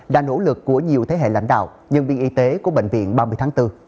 là nỗ lực của nhiều thế hệ lãnh đạo nhân viên y tế của bệnh viện ba mươi tháng bốn